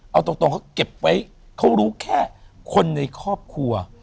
เอาตรงเขาเก็บไว้เขารู้แค่คนในครอบครัว